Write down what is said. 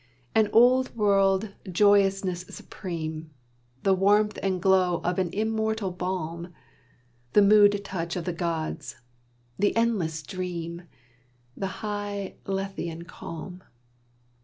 An old world joyousness supreme, The warmth and glow of an immortal balm, The mood touch of the gods, the endless dream, The high lethean calm.